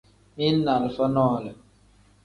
Mili ni alifa nole.